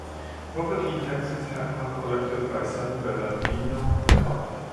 Property taxes are collected by San Bernardino County.